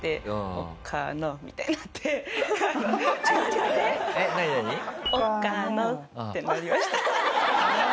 「をかの！」ってなりました。